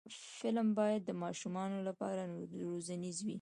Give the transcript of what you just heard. فلم باید د ماشومانو لپاره روزنیز وي